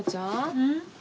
うん？